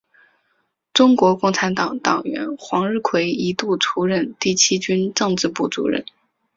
中国共产党党员黄日葵一度出任第七军政治部主任。